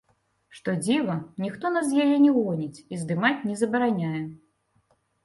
Што дзіва, ніхто нас з яе не гоніць і здымаць не забараняе.